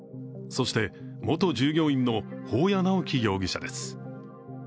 そして、元従業員の保谷直紀容疑者です。